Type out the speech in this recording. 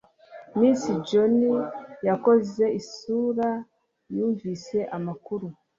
Miss Jones yakoze isura yumvise amakuru